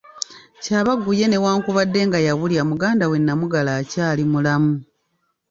Kyabaggu ye newakubadde nga yabulya muganda we Namugala akyali mulamu.